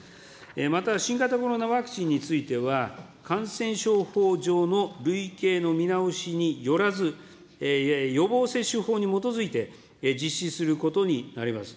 また、新型コロナワクチンについては、感染症法上の類型の見直しによらず、予防接種法に基づいて、実施することになります。